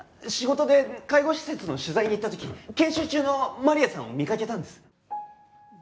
仕事で介護施設の取材に行った時研修中のマリアさんを見かけたんです。